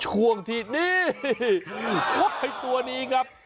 ช่วงที่นี่วบไอ้ตัวนี้ครับ